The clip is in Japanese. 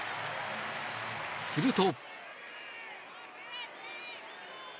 すると。